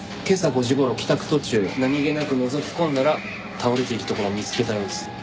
今朝５時頃帰宅途中何げなくのぞき込んだら倒れているところを見つけたようです。